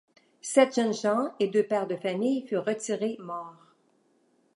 Sept jeunes gens et deux pères de familles furent retirés morts.